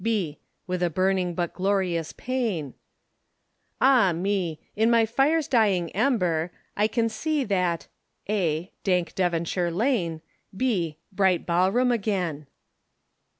} With a burning but glorious p {} Ah me! In my fire's dying ember I can see that { dank Devonshire lane. { bright ball room again.